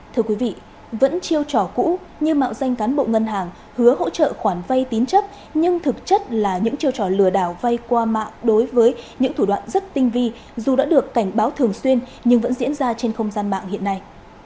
thưa quý vị vẫn chiêu trò cũ như mạo danh cán bộ ngân hàng hứa hỗ trợ khoản vay tín chấp nhưng thực chất là những chiêu trò lừa đảo vay qua mạng đối với những thủ đoạn rất tinh vi dù đã được cảnh báo thường xuyên nhưng vẫn diễn ra trên không gian mạng hiện nay